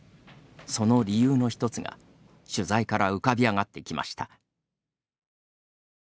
その理由の一つが取材から浮かび上がってきました。